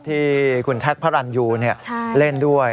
ที่คุณแท็กพระรันยูเล่นด้วย